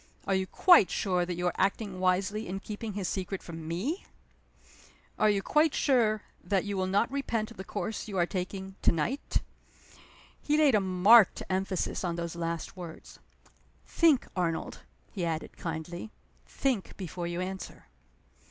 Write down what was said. Are you quite sure that you are acting wisely in keeping his secret from me? Are you quite sure that you will not repent the course you are taking to night?" He laid a marked emphasis on those last words. "Think, Arnold," he added, kindly. "Think before you answer."